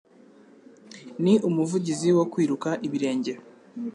Ni umuvugizi wo kwiruka ibirenge